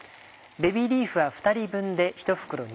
ベビーリーフは２人分で１袋２０ｇ。